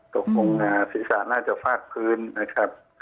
ตกลงสิรษะน่าจะฝากพื้นนะครับ